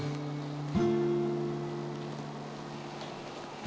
ini masih ada